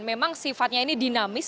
memang sifatnya ini dinamis